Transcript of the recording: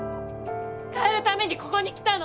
変えるためにここに来たの。